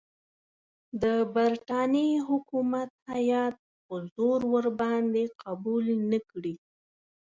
د برټانیې حکومت هیات په زور ورباندې قبول نه کړي.